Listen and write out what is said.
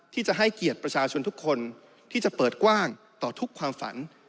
ที่จะให้เกียรติประชาชนทุกคนที่จะเปิดกว้างต่อทุกความฝัน